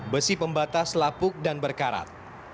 besi pembatas lapuk dan berkarat